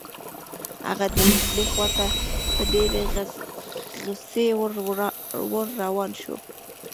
هغه د نجلۍ خوا ته په ډېرې غصې ور روان شو.